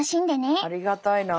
ありがたいな。